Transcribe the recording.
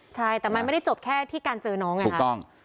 ใช่แต่มันไม่ได้จบแค่ที่การเจอน้องไงถูกต้อง